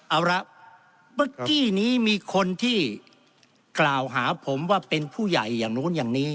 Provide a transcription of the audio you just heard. เอาละเมื่อกี้นี้มีคนที่กล่าวหาผมว่าเป็นผู้ใหญ่อย่างนู้นอย่างนี้